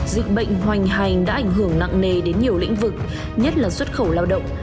dịch bệnh hoành hành đã ảnh hưởng nặng nề đến nhiều lĩnh vực nhất là xuất khẩu lao động